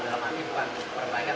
dalam hal ini bukan perbaikan